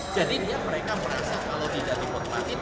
jadi dia mereka merasa kalau tidak dihormatin